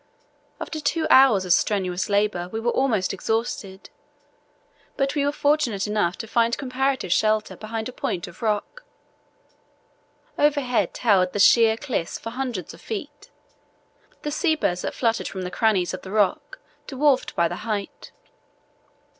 After two hours of strenuous labour we were almost exhausted, but we were fortunate enough to find comparative shelter behind a point of rock. Overhead towered the sheer cliffs for hundreds of feet, the sea birds that fluttered from the crannies of the rock dwarfed by the height.